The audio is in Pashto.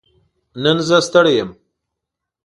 نن زه ستړې يم